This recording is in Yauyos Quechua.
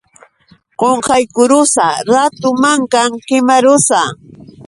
Qunqaykurusa ratu mankan kimarusa.